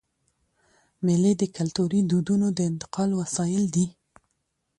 مېلې د کلتوري دودونو د انتقال وسایل دي.